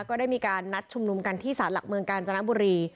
ก็ได้มีการนัดชุมนุมกันที่สารหลักเมืองกาญจนบุรี